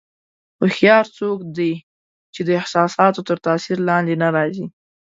هوښیار څوک دی چې د احساساتو تر تاثیر لاندې نه راځي.